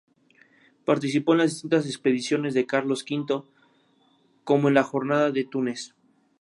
Participó en las distintas expediciones de Carlos V, como en la Jornada de Túnez.